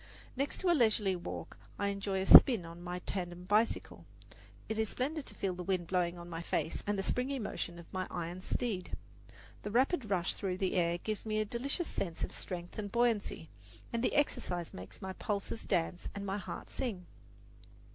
Next to a leisurely walk I enjoy a "spin" on my tandem bicycle. It is splendid to feel the wind blowing in my face and the springy motion of my iron steed. The rapid rush through the air gives me a delicious sense of strength and buoyancy, and the exercise makes my pulses dance and my heart sing.